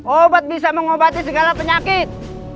obat bisa mengobati segala penyakit